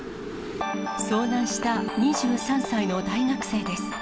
遭難した２３歳の大学生です。